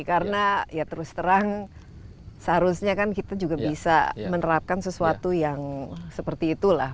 karena terus terang seharusnya kita juga bisa menerapkan sesuatu yang seperti itulah